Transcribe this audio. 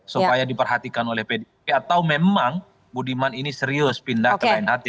supaya diperhatikan oleh pdip atau memang budiman ini serius pindah ke lain hati